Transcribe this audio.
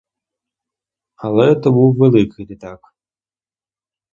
Але то був великий літак.